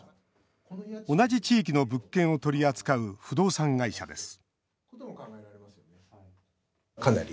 同じ地域の物件を取り扱う不動産会社です